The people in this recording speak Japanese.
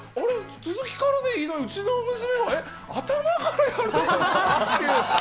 続きからでいいのに、うちの娘、頭からやり直すの？って。